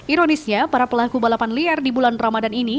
ironisnya para pelaku balapan liar di bulan ramadan ini